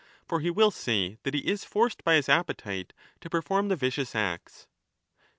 For he will say that he is forced by his appetite to perform the vicious acts.